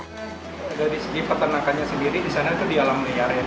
dari segi peternakannya sendiri di sana itu di alam liar ya